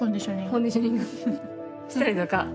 コンディショニングしたりとか。